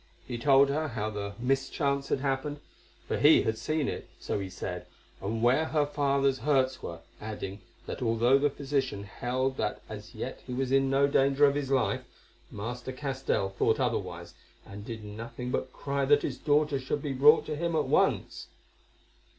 He told her how the mischance had happened, for he had seen it, so he said, and where her father's hurts were, adding, that although the physician held that as yet he was in no danger of his life, Master Castell thought otherwise, and did nothing but cry that his daughter should be brought to him at once.